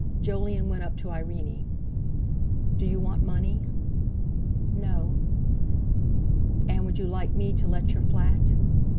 Jolyon went up to Irene: "Do you want money?" "No." "And would you like me to let your flat?"